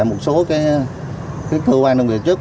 một số cơ quan đồng nghiệp trước